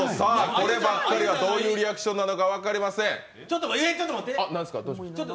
こればっかりはどういうリアクションなのか分かりません。